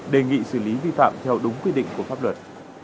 đề nghị xử lý vi phạm theo đúng quy định của pháp luật